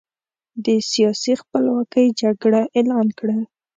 د سیاسي خپلواکۍ جګړه اعلان کړه.